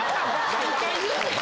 何回言うねん？